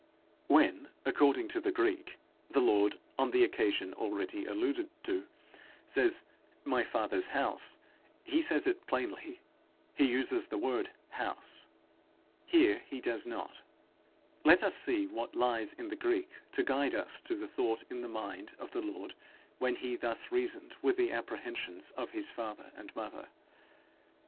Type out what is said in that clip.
When, according to the Greek, the Lord, on the occasion already alluded to, says 'my father's house,' he says it plainly; he uses the word house: here he does not. Let us see what lies in the Greek to guide us to the thought in the mind of the Lord when he thus reasoned with the apprehensions of his father and mother.